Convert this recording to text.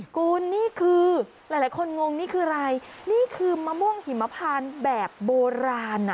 คุณนี่คือหลายคนงงนี่คืออะไรนี่คือมะม่วงหิมพานแบบโบราณอ่ะ